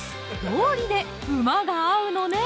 道理で馬が合うのね